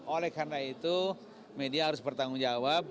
oleh karena itu media harus bertanggung jawab